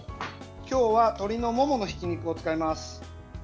今日は鶏のもものひき肉を使います。